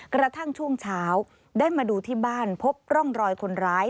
กระทั่งช่วงเช้าได้มาดูที่บ้านพบร่องรอยคนร้าย